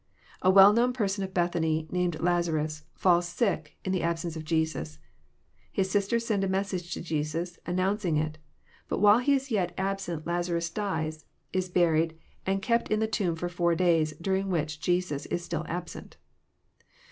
A well known person of Bethany, named Lazarus, falls sick in the absence of Jesus. His sisters send a message to Jesus, an nouncing it ; but while He is yet absent Lazarus dies, is buried, and kept in the tomb for four days, during which Jesus is still absent.